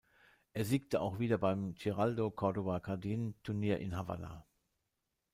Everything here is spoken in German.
Er siegte auch wieder beim "Giraldo Córdova Cardín"-Turnier in Havanna.